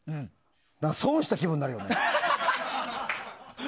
だから損した気分になるよね。